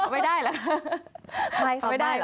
ไม่ได้เหรอ